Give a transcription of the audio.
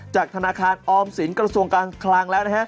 จากธนาคารออมสินกระทรวงการคลังแล้วนะฮะ